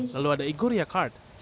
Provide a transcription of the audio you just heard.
lalu ada ego dan juga pondronik